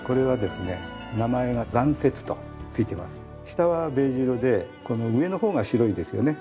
下はベージュ色でこの上の方が白いですよね。